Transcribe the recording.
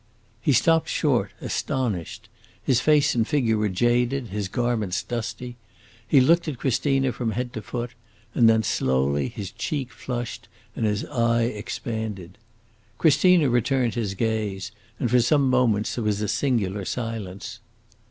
He stopped short, astonished; his face and figure were jaded, his garments dusty. He looked at Christina from head to foot, and then, slowly, his cheek flushed and his eye expanded. Christina returned his gaze, and for some moments there was a singular silence.